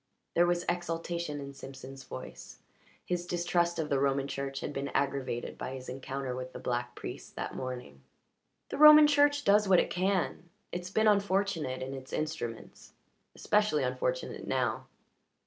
There was exultation in Simpson's voice. His distrust of the Roman Church had been aggravated by his encounter with the black priest that morning. "The Roman Church does what it can. It's been unfortunate in its instruments. Especially unfortunate now."